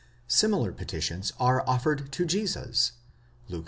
Similar petitions are offered to Jesus (Luke ix.